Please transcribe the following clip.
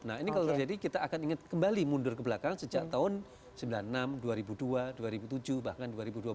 nah ini kalau terjadi kita akan ingat kembali mundur ke belakang sejak tahun seribu sembilan ratus sembilan puluh enam dua ribu dua dua ribu tujuh bahkan dua ribu dua belas